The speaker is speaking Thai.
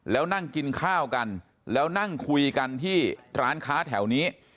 แล้วนั่งกินข้าวกันแล้วนั่งคุยกันที่ร้านค้าแถวนี้